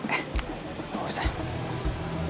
eh gak usah